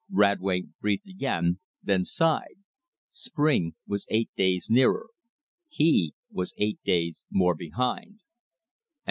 Radway breathed again, then sighed. Spring was eight days nearer. He was eight days more behind.